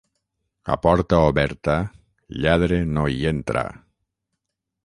A porta oberta, lladre no hi entra.